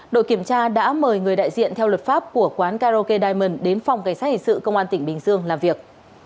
đội kiểm tra đã mời người đại diện theo luật pháp của quán karaoke diamond đến phòng cảnh sát hình sự công an tỉnh bình dương làm việc